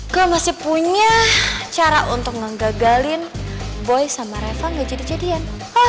gue masih punya cara untuk menggagalin boy sama reva gak jadi jadian